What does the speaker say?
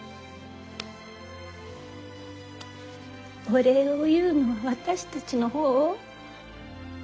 お礼を言うのは私たちの方。